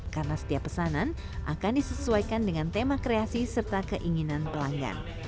karena setiap pesanan akan disesuaikan dengan tema kreasi serta keinginan pelanggan